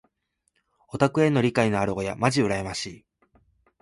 オタクへの理解のある親まじ羨ましい。